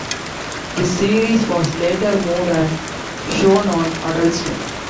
This series was later moved and shown on Adult Swim.